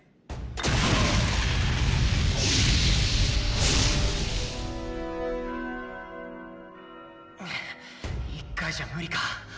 ハァッ１回じゃ無理か！